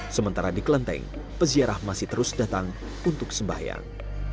sementara di kelenteng peziarah masih terus datang untuk sembahyang